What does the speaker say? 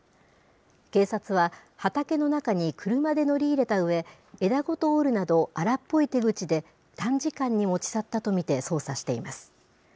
警察は、畑の中に車で乗り入れたうえ、枝ごと折るなど、荒っぽい手口で、短時間に持ち去ったと見て捜査しています。